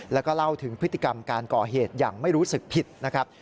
แล้วก็เล่าถึงพฤติกรรมการก่อเหตุอย่างไม่รู้สึกผิดนะครับ